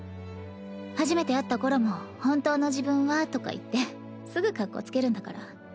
初めて会った頃も「本当の自分は」とか言ってすぐかっこつけるんだから。